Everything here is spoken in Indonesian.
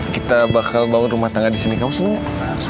kita bakal bangun rumah tangga di sini kamu senang gak